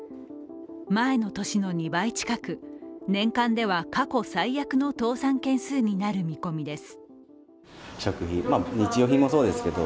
前の年の２倍近く年間では過去最悪の倒産件数になる見込みです。